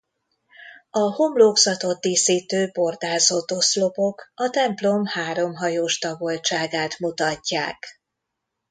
A homlokzatot díszítő bordázott oszlopok a templom háromhajós tagoltságát mutatják.